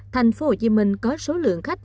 thành phố hồ chí minh có số lượng khách